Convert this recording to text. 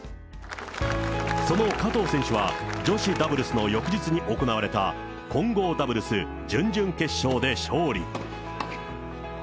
その加藤選手は、女子ダブルスの翌日に行われた混合ダブルス準々決勝で勝利。